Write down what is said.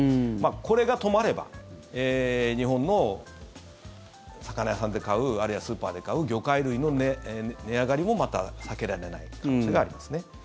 これが止まれば日本の魚屋さんで買うあるいはスーパーで買う魚介類の値上がりもまた避けられない可能性がありますね。